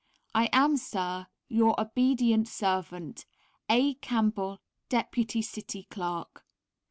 I am, Sir, Your obedient servant, A CAMPBELL, Deputy City Clerk.